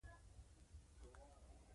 له بریساګو نه دلته په بګۍ کې راغلو.